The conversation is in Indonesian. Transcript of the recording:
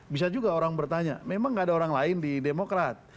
bisa juga orang bertanya memang gak ada orang lain di demokrat